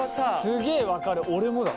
すげえ分かる俺もだ。